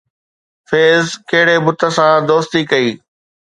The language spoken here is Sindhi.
فيض ڪهڙي بت سان دوستي ڪئي؟